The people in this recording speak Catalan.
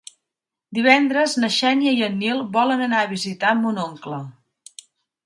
Divendres na Xènia i en Nil volen anar a visitar mon oncle.